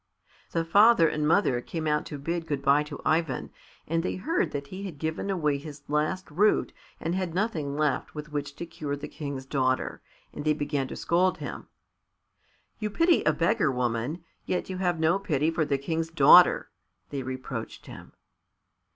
The father and mother came out to bid good bye to Ivan, and they heard that he had given away his last root and had nothing left with which to cure the King's daughter, and they began to scold him. "You pity a beggar woman, yet have no pity for the King's daughter," they reproached him.